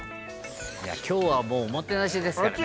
「今日はもうおもてなしですからね」